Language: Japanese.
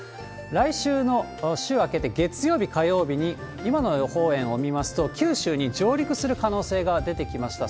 来週の週明けて月曜日、火曜日に、今の予報円を見ますと、九州に上陸する可能性が出てきました。